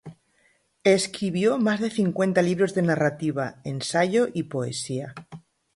Escribió más de cincuenta libros de narrativa, ensayo y poesía.